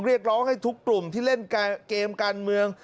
เรียกร้องให้ทุกกลุ่มที่เล่นเกมการเมือง